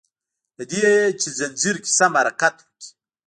له دي چي ځنځير کی سم حرکت وکړي